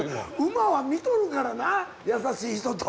馬は見とるからな優しい人と。